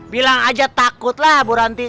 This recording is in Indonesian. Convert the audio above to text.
bilang aja takutlah bu ranti